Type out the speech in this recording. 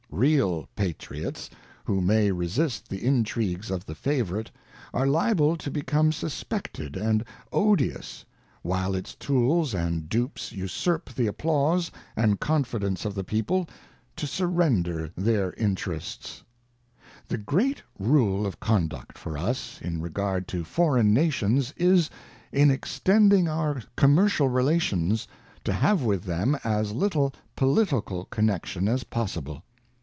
ŌĆö Real Patriots, who may resist the intrigues of the favourite, are liable to become suspected and odious; while its tools and dupes usurp the applause and confidence of the people, to surrender their interests. ŌĆö '5 WASHINGTON'S FAREWELL ADDRESS The great rule of conduct for us, in re gard to foreign Nations, is, in extending our commercial relations, to have with them as little Political connection as possible.